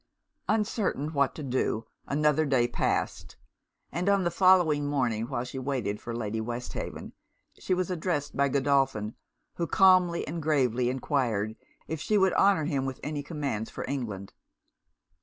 Uncertain what to do, another day passed; and on the following morning, while she waited for Lady Westhaven, she was addressed by Godolphin, who calmly and gravely enquired if she would honour him with any commands for England?